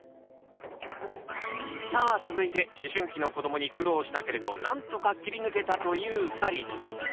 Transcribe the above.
さあ続いて思春期の子どもに苦労したけれどなんとか切り抜けたという２人。